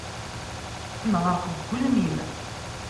Neɣreq deg ugelmim.